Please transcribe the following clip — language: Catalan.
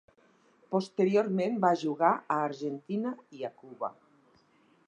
Posteriorment va jugar a Argentina i a Cuba.